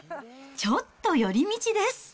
ちょっと寄り道です。